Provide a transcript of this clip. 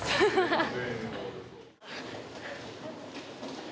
ハハハ。